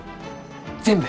全部。